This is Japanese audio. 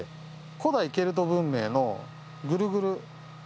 古代ケルト文明のぐるぐる。